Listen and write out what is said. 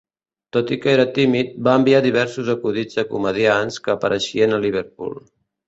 Tot i que era tímid, va enviar diversos acudits a comediants que apareixien a Liverpool.